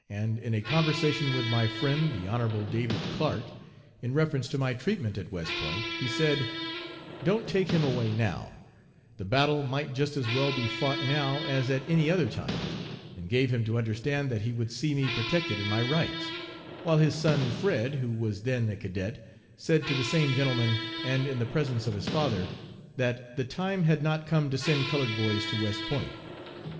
and in a conversation with my friend the Hon. David Clark, in reference to my treatment at West Point, he said: 'Don't take him away now; the battle might just as well be fought now as at any other time,' and gave him to understand that he would see me protected in my rights; while his son Fred, who was then a cadet, said to the same gentleman, and in the presence of his father, that 'the time had not come to send colored boys to West Point.'